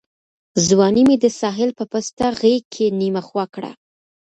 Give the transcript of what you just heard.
ځواني مي د ساحل په پسته غېږ کي نیمه خوا کړه